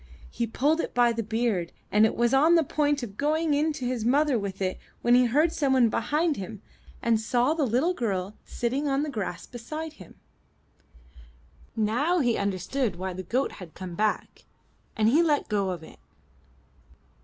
He pulled it by the beard, and was on the point of going in to his mother with it, when he heard someone behind him, and saw the little girl sitting on the grass 363 MY BOOK HOUSE beside him. Now he understood why the goat had come back, and he let go of it.